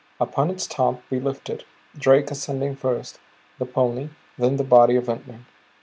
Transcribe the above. Upon its top we lifted, Drake ascending first, the pony; then the body of Ventnor.